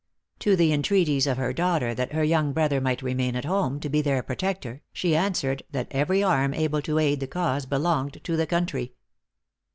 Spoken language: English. To the entreaties of her daughter that her young brother might remain at home to be their protector, she answered that every arm able to aid the cause belonged to the country.